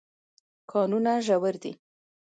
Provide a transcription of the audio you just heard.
کانونه ژور دي.